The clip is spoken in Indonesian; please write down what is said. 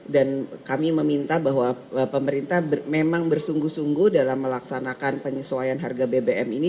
dan kami meminta bahwa pemerintah memang bersungguh sungguh dalam melaksanakan penyesuaian harga bbm ini